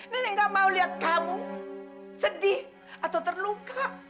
nenek gak mau lihat kamu sedih atau terluka